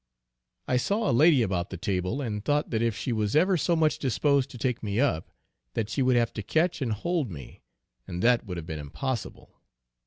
I saw a lady about the table, and I thought that if she was ever so much disposed to take me up, that she would have to catch and hold me, and that would have been impossible.